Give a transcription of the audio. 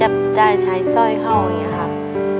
ไม่พอก็จะใช้จ่อยที่เขา